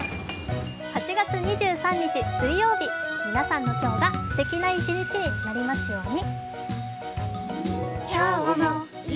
８月２３日水曜日、皆さんの今日がすてきな一日になりますように。